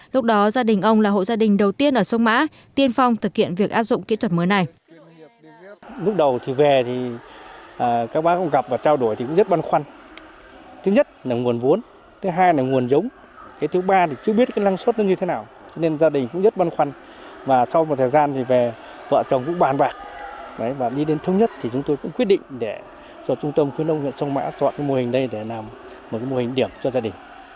lúc đó gia đình ông là hộ gia đình đầu tiên ở sông mã tiên phong thực hiện việc áp dụng kỹ thuật mới này